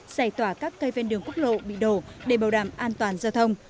giải tỏa các cây ven đường quốc lộ bị đổ để bảo đảm an toàn giao thông